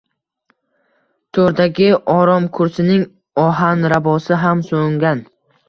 To’rdagi oromkursining ohanrabosi ham so’ngan